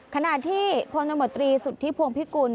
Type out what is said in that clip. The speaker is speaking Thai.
ขณะที่พลังตัวบัตรรีสุทธิพวงพิกุล